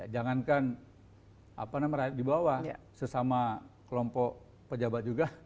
jangankan apa namanya di bawah sesama kelompok pejabat juga